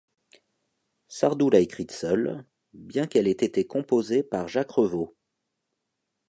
Sardou l'a écrite seul, bien qu'elle ait été composée par Jacques Revaux.